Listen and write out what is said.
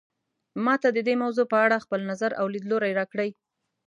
ما ته د دې موضوع په اړه خپل نظر او لیدلوری راکړئ